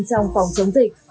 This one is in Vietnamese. trong việc phòng chống dịch